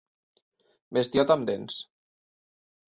Bestiota amb dents.